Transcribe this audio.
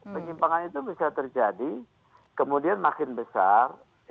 penyimpangan itu bisa terjadi kemudian makin besar